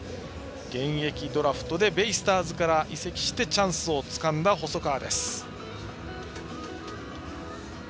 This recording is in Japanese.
現役ドラフトでベイスターズから移籍してチャンスをつかんだ細川です。